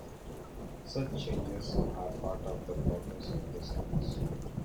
Such changes are part of the progress of the science.